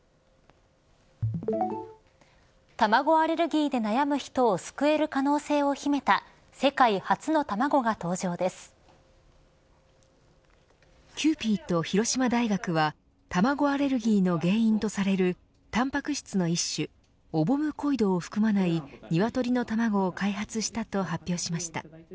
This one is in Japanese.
卵アレルギーで悩む人を救える可能性を秘めたキューピーと広島大学は卵アレルギーの原因とされるタンパク質の一種オボムコイドを含まない鶏の卵を開発したと発表しました。